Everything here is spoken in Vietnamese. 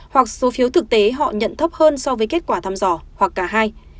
hoặc số phiếu thực tế họ nhận thấp hơn so với kết quả thăm dò hoặc cả hai